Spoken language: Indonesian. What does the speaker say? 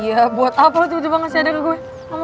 iya buat apa lu tiba tiba ngasih ada ke gue